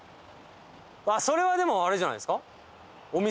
それはでもあれじゃないですか？